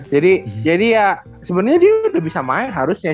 jadi jadi ya sebenernya dia udah bisa main harusnya